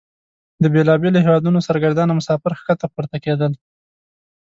د بیلابیلو هیوادونو سرګردانه مسافر ښکته پورته کیدل.